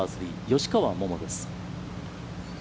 吉川桃です。